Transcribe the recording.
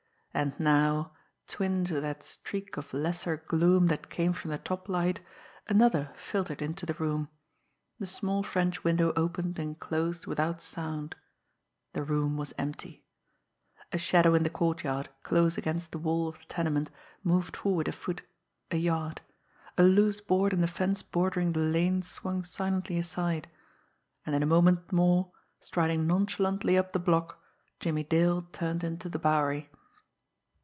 And now, twin to that streak of lesser gloom that came from the top light, another filtered into the room. The small French window opened and closed without sound the room was empty. A shadow in the courtyard, close against the wall of the tenement, moved forward a foot, a yard a loose board in the fence bordering the lane swung silently aside and in a moment more, striding nonchalantly up the block, Jimmie Dale turned into the Bowery.